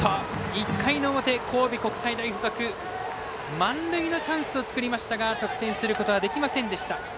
１回の表、神戸国際大付属満塁のチャンスを作りましたが得点することはできませんでした。